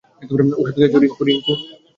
ওষুধ খেয়েছো, রিংকু?